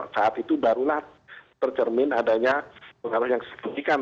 saat itu barulah tercermin adanya pengaruh yang signifikan